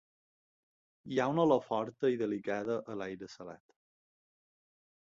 Hi ha una olor forta i delicada a l'aire salat.